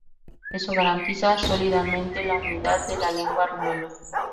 Eso garantiza sólidamente la unidad de la lengua rumana.